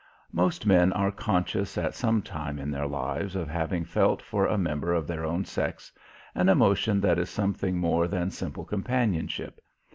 Most men are conscious at some time in their lives of having felt for a member of their own sex an emotion that is something more than simple companionship.